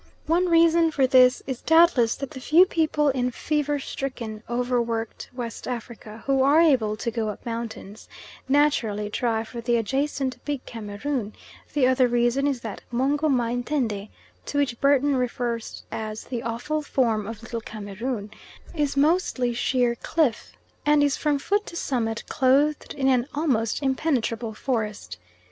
One reason for this is doubtless that the few people in fever stricken, over worked West Africa who are able to go up mountains, naturally try for the adjacent Big Cameroon; the other reason is that Mungo Mah Etindeh, to which Burton refers as "the awful form of Little Cameroon," is mostly sheer cliff, and is from foot to summit clothed in an almost impenetrable forest.